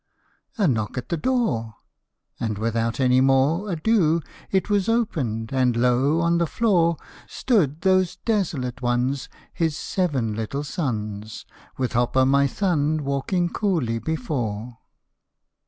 "A knock at the door." And without any more Ado, it was opened and, lo ! on the floor Stood those desolate ones, His seven little sons, With Hop o' my Thumb walking coolly before